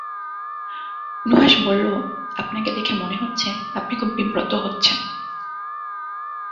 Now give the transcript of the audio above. নুহাশ বলল, আপনাকে দেখে মনে হচ্ছে আপনি খুব বিব্রত হচ্ছেন।